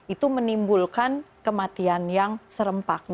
itu menimbulkan kematian yang serempak